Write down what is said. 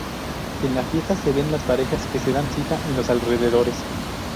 En la fiesta se ven las parejas que se dan cita en los alrededores.